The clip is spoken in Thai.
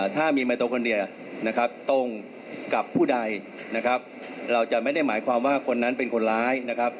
ถ้ามีไมโตคนเดียวนะครับตรงกับผู้ใดนะครับเราจะไม่ได้หมายความว่าคนนั้นเป็นคนร้ายนะครับ